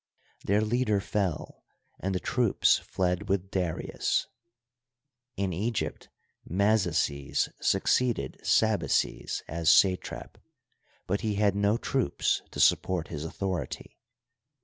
Their leader fell, and the troops fled with Darius. In Egypt Mazaces succeeded Sabaces as satrap, but he had no troops to support his authority.